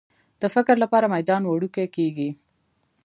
د فکر لپاره میدان وړوکی کېږي.